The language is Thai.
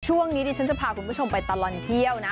ช่วงนี้ดิฉันจะพาคุณผู้ชมไปตลอดเที่ยวนะ